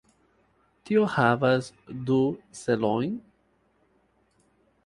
Tio havas du celojn.